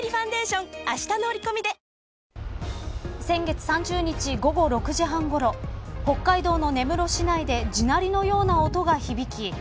先月３０日午後６時半ごろ北海道の根室市内で地鳴りのような音が響き